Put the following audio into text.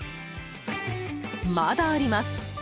まだあります！